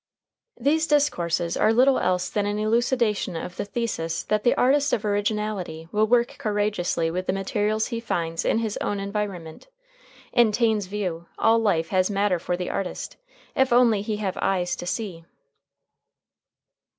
These discourses are little else than an elucidation of the thesis that the artist of originality will work courageously with the materials he finds in his own environment. In Taine's view, all life has matter for the artist, if only he have eyes to see.